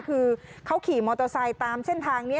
คือเขาขี่มอเตอร์ไซค์ตามเส้นทางนี้